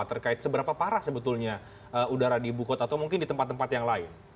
terkait seberapa parah sebetulnya udara di ibu kota atau mungkin di tempat tempat yang lain